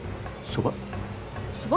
そば？